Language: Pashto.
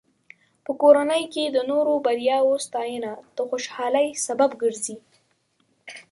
په کورنۍ کې د نورو بریاوو ستاینه د خوشحالۍ سبب ګرځي.